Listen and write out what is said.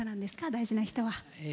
大事な人は。